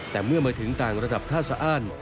แต่เมื่อมาถึงต่างระดับท่าสะอ้าน